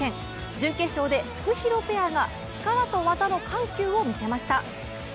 準決勝でフクヒロペアが力と技の緩急を見せました。